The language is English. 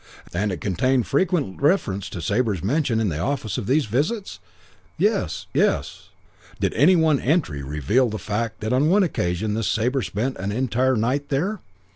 "And it contained frequent reference to Sabre's mention in the office of these visits? 'Yes! Yes!' "Did one entry reveal the fact that on one occasion this Sabre spent an entire night there?